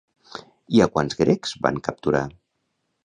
I a quants grecs van capturar?